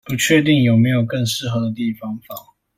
不確定有沒有更適合的地方放